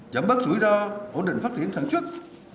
chấm bắt rủi ro ổn định phát triển sáng trước